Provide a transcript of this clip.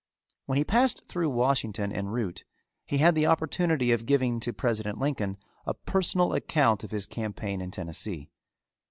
When he passed through Washington en route he had the opportunity of giving to President Lincoln a personal account of his campaign in Tennessee.